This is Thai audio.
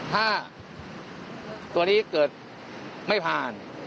ถ้าตัวนี้เกิดไม่ผ่าน